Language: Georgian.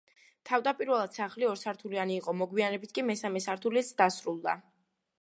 თავდაპირველად, სახლი ორსართულიანი იყო, მოგვიანებით კი მესამე სართულიც დასრულდა.